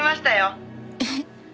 えっ。